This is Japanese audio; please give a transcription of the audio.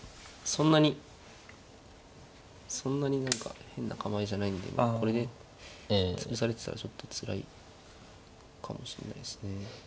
そんなにそんなに何か変な構えじゃないんでこれで潰されてたらちょっとつらいかもしれないですね。